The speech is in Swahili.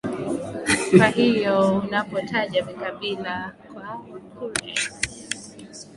Kwa hiyo unapotaja vikabila vya Wakurya